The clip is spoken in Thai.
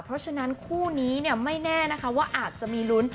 เพราะฉะนั้นคู่นี้ไม่แน่นะคะว่าอาจจะมีลุ้น